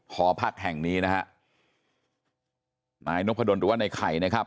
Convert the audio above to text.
หอพักแห่งนี้นะฮะนายนพดลหรือว่าในไข่นะครับ